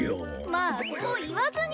まあそう言わずに！